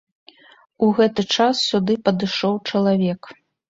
У гэты час сюды падышоў чалавек.